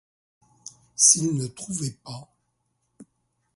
S’il ne trouvait pas